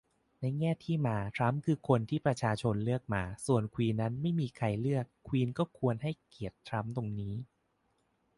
ในแง่ที่มา ทรัมป์คือคนที่ประชาชนเลือกมา ส่วนควีนนั้นไม่มีใครเลือก ควีนก็ควรให้เกียรติทรัมป์ตรงนี้